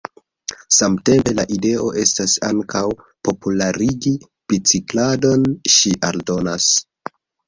Samtempe la ideo estas ankaŭ popularigi bicikladon, ŝi aldonas.